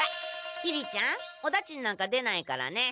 きりちゃんおだちんなんか出ないからね。